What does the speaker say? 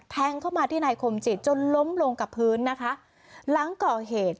แทงเข้ามาที่นายคมจิตจนล้มลงกับพื้นนะคะหลังก่อเหตุ